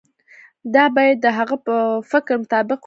دا باید د هغه د فکر مطابق وي.